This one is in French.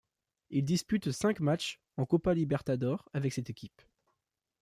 Il dispute cinq matchs en Copa Libertadores avec cette équipe.